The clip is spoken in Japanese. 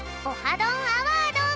どんアワード」！